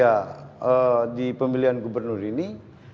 nah periode di pemilihan gubernur ini